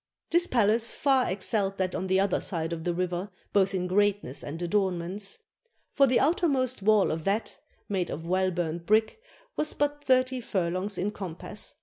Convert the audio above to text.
This palace far excelled that on the other side of the river both in greatness and adornments. For the outer most wall of that (made of well burnt brick) was but thirty furlongs in compass.